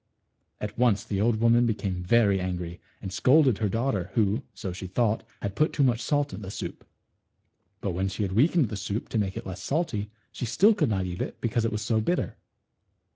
At once the old woman became very angry, and scolded her daughter, who, so she thought, had put too much salt in the soup. But when she had weakened the soup to. make it less salt, she still could not eat it, because it was so bitter.